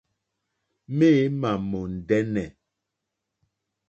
Méǃémà mòndɛ́nɛ̀.